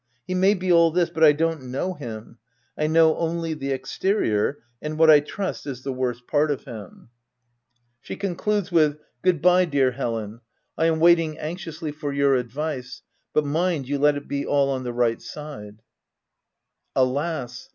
He may be all this, but I don't know him — I know only the exterior and what I trust is the worst part of him. ,> OF WILDFELL HALL. 113 She concludes with " Good bye, dear Helen, I am waiting anxiously for your advice — but mind you let it be all on the right side/ 5 Alas